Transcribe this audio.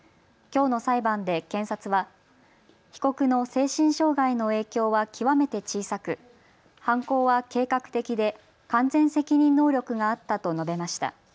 きょうの裁判で検察は被告の精神障害の影響は極めて小さく、犯行は計画的で完全責任能力があったと述べました。